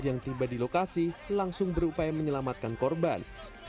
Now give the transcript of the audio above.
yang tiba di lokasi langsung berupaya menyelamatkan korban